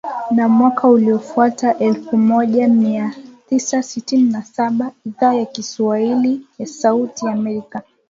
Na mwaka uliofuata, elfu moja mia tisa sitini na saba , Idhaa ya Kiswahili ya Sauti ya Amerika